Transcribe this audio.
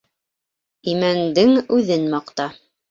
Имәндең үҙен маҡта.